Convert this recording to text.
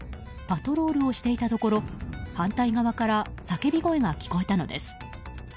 パトロールをしていたところ反対側から叫び声が聞こえたのです。